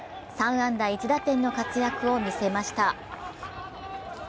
３安打１打点の活躍を見せました。